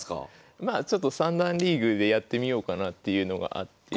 まあちょっと三段リーグでやってみようかなっていうのがあって。